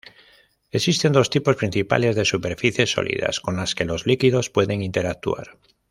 Existen dos tipos principales de superficies sólidas con las que los líquidos pueden interactuar.